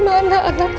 dimana anakku sekarang